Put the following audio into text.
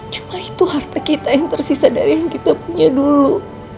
cuma itu harta kita yang tersisa dari yang kita punya dulu